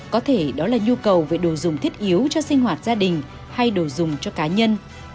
có thể đó là nhu cầu về đồ dùng thiết yếu cho sinh hoạt gia đình hay đồ dùng cho cá nhân